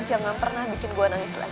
jangan pernah bikin gua nangis lagi